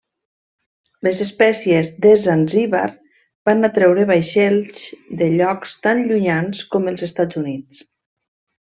Les espècies de Zanzíbar van atreure vaixells de llocs tan llunyans com els Estats Units.